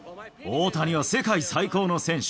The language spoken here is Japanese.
大谷は世界最高の選手。